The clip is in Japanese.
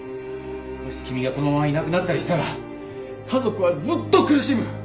もし君がこのままいなくなったりしたら家族はずっと苦しむ！